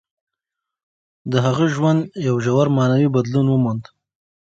د هغه ژوند یو ژور معنوي بدلون وموند.